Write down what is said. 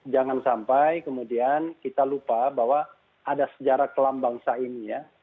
jangan sampai kemudian kita lupa bahwa ada sejarah kelam bangsa ini ya